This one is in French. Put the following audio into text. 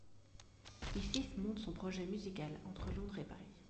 Ifif monte son projet musical entre Londres et Paris.